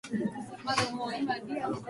最悪な環境